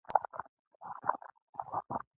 زما پښتون وطن